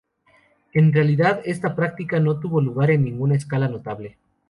En realidad, esta práctica no tuvo lugar en ninguna escala notable.